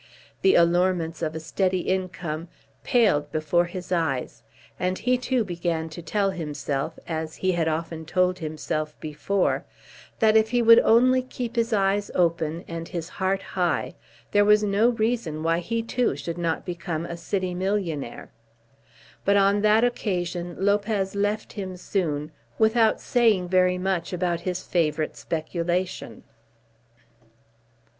The allurements of a steady income paled before his eyes, and he too began to tell himself, as he had often told himself before, that if he would only keep his eyes open and his heart high there was no reason why he too should not become a city millionaire. But on that occasion Lopez left him soon, without saying very much about his favourite speculation.